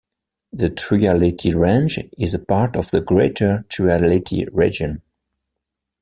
The Trialeti Range is a part of the greater Trialeti Region.